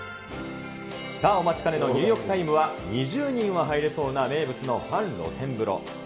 さあ、お待ちかねの入浴タイムは、２０人は入れそうな名物の半露天風呂。